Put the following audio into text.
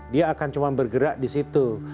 dia akan cuma bergerak di situ